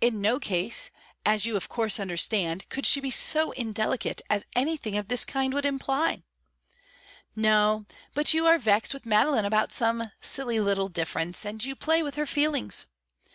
In no case, as you of course understand, could she be so indelicate as anything of this kind would imply. No; but you are vexed with Madeline about some silly little difference, and you play with her feelings.